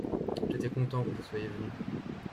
j'étais content que vous soyiez venu.